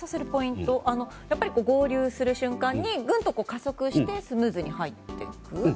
やっぱり合流する瞬間に加速してスムーズに入っていく？